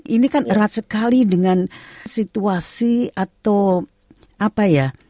ini kan erat sekali dengan situasi atau apa ya